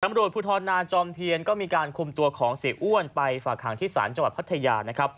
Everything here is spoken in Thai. ตำรวจภูทรนาจอมเทียนก็มีการคุมตัวของเสียอ้วนไปฝากหางที่ศาลจังหวัดพัทยานะครับ